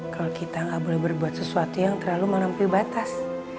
kalau kita nggak boleh berbuat sesuatu yang terlalu menampil batas